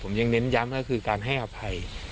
ผมยังเน้นย้ำก็คือการให้อภัย